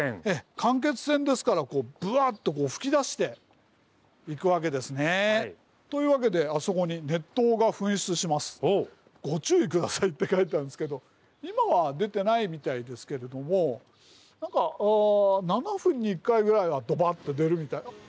間欠泉ですからブワッと噴き出していくわけですね。というわけであそこに「熱湯が噴出しますご注意下さい」って書いてあるんですけど今は出てないみたいですけれども何か７分に１回ぐらいはドバッと出るみたい。